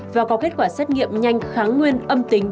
và có kết quả xét nghiệm nhanh kháng nguyên âm tính